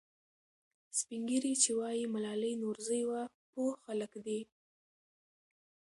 سپین ږیري چې وایي ملالۍ نورزۍ وه، پوه خلک دي.